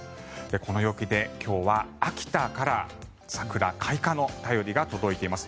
この陽気で今日は秋田から桜開花の便りが届いています。